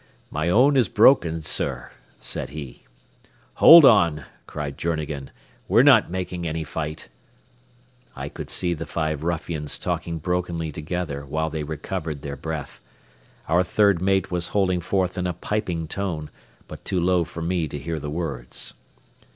"My own is broken, sir," said he. "Hold on," cried Journegan; "we're not making any fight." I could see the five ruffians talking brokenly together while they recovered their breath. Our third mate was holding forth in a piping tone, but too low for me to hear the words.